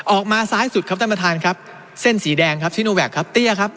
ออกมาซ้ายสุดครับท่านประธานครับเส้นสีแดงครับซิโนแวคครับเตี้ยครับ